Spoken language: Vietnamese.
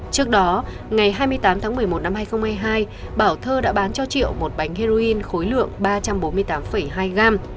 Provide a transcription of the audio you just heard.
trước đó ngày hai mươi tám tháng một mươi một năm hai nghìn hai mươi hai bảo thơ đã bán cho triệu một bánh heroin khối lượng ba trăm bốn mươi tám hai gram